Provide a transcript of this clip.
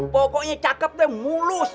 pokoknya cakep deh mulus